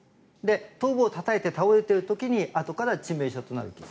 頭部をたたいて倒れている時にあとから致命傷となる傷。